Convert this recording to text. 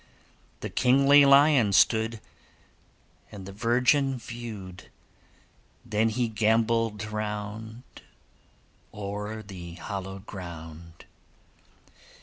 The kingly lion stood, And the virgin viewed: Then he gambolled round O'er the hallowed ground.